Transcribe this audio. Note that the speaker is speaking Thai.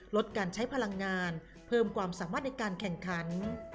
ลดการใช้พลังงานเพิ่มความสามารถในการแข่งขัน